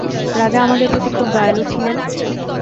রাজা আমাদের প্রতি খুব দয়ালু ছিলেন।